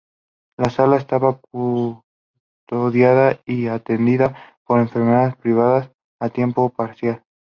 La sala estaba custodiada y atendida por enfermeras privadas a tiempo parcial.